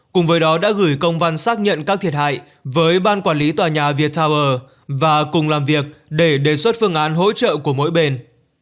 cùng với đó đã gửi công văn xác nhận các thiệt hại với ban quản lý tòa nhà viettel và cùng làm việc để đề xuất phương án hỗ trợ của mỗi bên